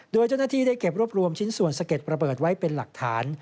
โดยเจ้าหน้าที่ได้เก็บรวบรวมชิ้นส่วนสะเก็ดระเบิดไว้เป็นหลักฐาน